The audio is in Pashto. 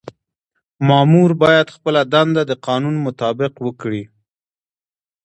مامور باید خپله دنده د قانون مطابق وکړي.